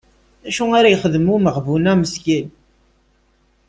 D acu ara yexdem umeɣbun-a meskin?